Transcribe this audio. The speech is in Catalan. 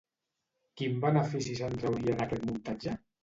Quin benefici se'n trauria d'aquest muntatge?